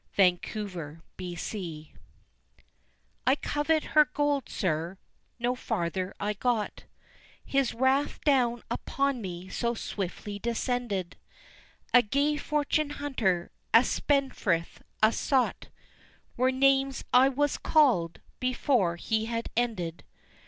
Her Gold "I covet her gold, sir," no farther I got, His wrath down upon me so swiftly descended, A gay fortune hunter, a spendthrift, a sot, Were names I was called before he had ended.